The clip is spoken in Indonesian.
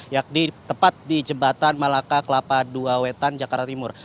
yakni tepat di jembatan malaka kelapa dua wetan jakarta timur